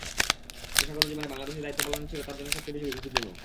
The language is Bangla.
পেশাগত জীবনে বাংলাদেশে দায়িত্ব পালন ছিল তাঁর জন্য সবচেয়ে বেশি ঝুঁকিপূর্ণ।